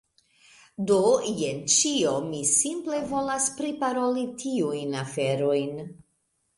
Do, jen ĉio, mi simple volas priparoli tiujn aferojn.